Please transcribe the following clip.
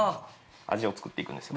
味を作っていくんですよ